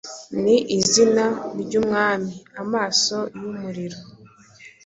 ni izina ry'umwami! Amaso yumuriro,